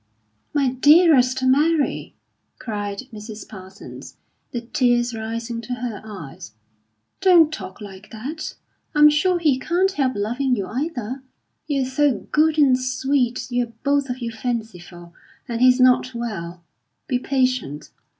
"My dearest Mary," cried Mrs. Parsons, the tears rising to her eyes, "don't talk like that! I'm sure he can't help loving you, either; you're so good and sweet. You're both of you fanciful, and he's not well. Be patient.